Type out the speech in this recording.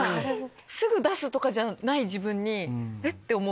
すぐ出すとかじゃない自分にえっ⁉て思う。